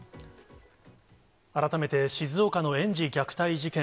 改めて、静岡の園児虐待事件。